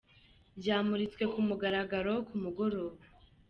Ryamuritswe ku mugaragaro ku mugoroba.